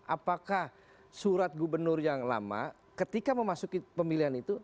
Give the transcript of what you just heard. apakah surat gubernur yang lama ketika memasuki pemilihan itu